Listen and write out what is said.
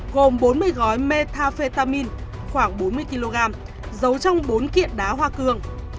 gồm bốn mươi gói metafetamin khoảng bốn mươi kg dấu trong bốn kiện đá hoa cường